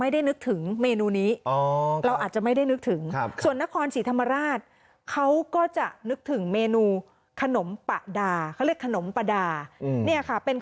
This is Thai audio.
เดี๋ยวมันหน้าตาเป็นอย่างไรก่อน